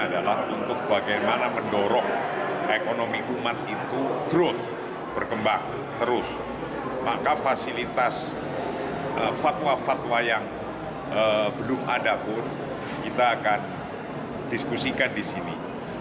diskusikan di sini